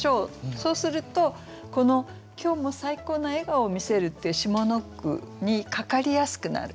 そうするとこの「今日も最高な笑顔を見せる」っていう下の句にかかりやすくなる。